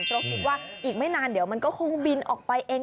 เพราะคิดว่าอีกไม่นานเดี๋ยวมันก็คงบินออกไปเอง